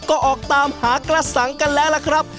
ก็ออกตามหากระสังกันแล้วล่ะครับ